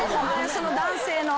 その男性の。